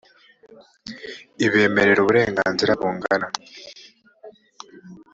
ibemerera uburenganzira bungana